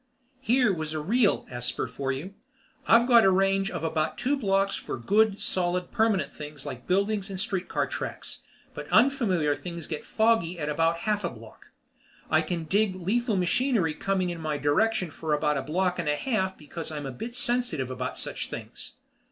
Here was a real esper for you. I've got a range of about two blocks for good, solid, permanent things like buildings and street car tracks, but unfamiliar things get foggy at about a half a block. I can dig lethal machinery coming in my direction for about a block and a half because I'm a bit sensitive about such things.